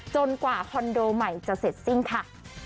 กว่าคอนโดใหม่จะเสร็จสิ้นค่ะ